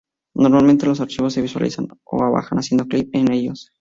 Normalmente los archivos se visualizan o bajan haciendo clic en ellos.